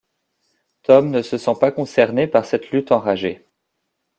Tom ne se sent pas concerné par cette lutte enragée.